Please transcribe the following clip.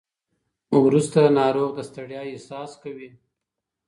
وروسته ناروغ د ستړیا احساس کوي.